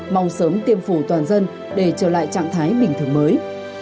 mong sớm tiêm phủ toàn dân để trở lại trạng thái bình thường mới